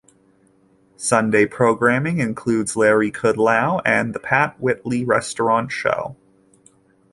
Sunday programming includes "Larry Kudlow" and "The Pat Whitley Restaurant Show.